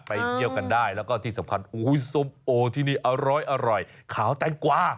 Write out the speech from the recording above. ไปเที่ยวกันได้แล้วก็ที่สำคัญส้มโอที่นี่อร้อยขาวแตงกวา